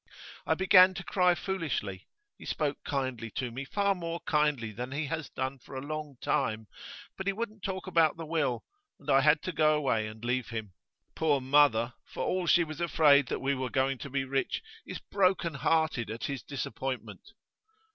I began to cry foolishly. He spoke kindly to me, far more kindly than he has done for a long time; but he wouldn't talk about the will, and I had to go away and leave him. Poor mother! for all she was afraid that we were going to be rich, is broken hearted at his disappointment.